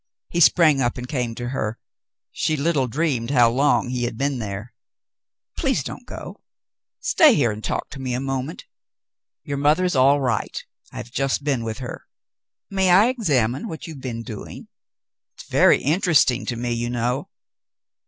He sprang up and came to her. She little dreamed how long he had been there. "Please don't go. Stay here and talk to me a moment. Your mother is all right ; I have just been with her. May I examine what you have been doing ? It is very interest ing to me, you know."